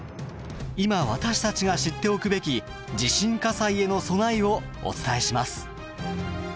今私たちが知っておくべき地震火災への備えをお伝えします！